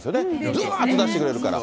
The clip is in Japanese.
ずらーっと出してくれるから。